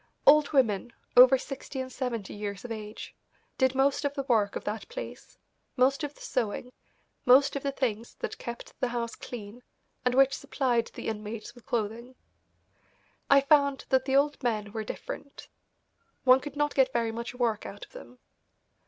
Old women, over sixty and seventy years of age, did most of the work of that place, most of the sewing, most of the things that kept the house clean and which supplied the inmates with clothing. I found that the old men were different. One could not get very much work out of them.